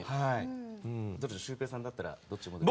シュウペイさんだったらどっちですか？